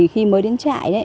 khi mới đến trại